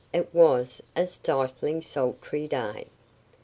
It was a stifling, sultry day.